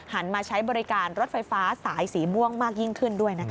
มาใช้บริการรถไฟฟ้าสายสีม่วงมากยิ่งขึ้นด้วยนะคะ